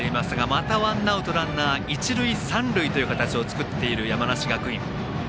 またワンアウトランナー、一塁三塁という形を作っている山梨学院。